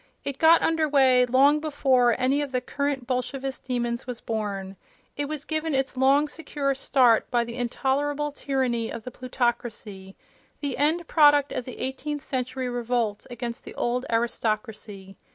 It got under way long before any of the current Bolshevist demons was born; it was given its long, secure start by the intolerable tyranny of the plutocracy—the end product of the Eighteenth Century revolt against the old aristocracy.